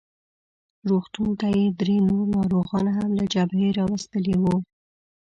روغتون ته یې درې نور ناروغان هم له جبهې راوستلي وو.